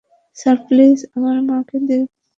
Sir, please আমার মাকে দেখতে দিন স্যার।